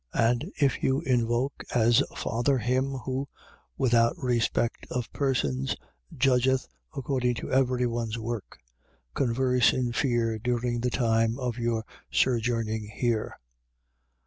1:17. And if you invoke as Father him who, without respect of persons, judgeth according to every one's work: converse in fear during the time of your sojourning here.